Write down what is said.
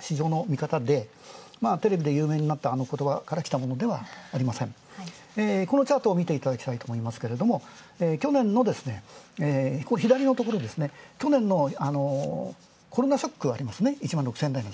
市場の見方で、テレビで有名になったあの言葉から来たものではありませんこのチャートを見ていただきたいと思いますけど去年の左のところですね、去年のコロナショック、１万６０００円台に。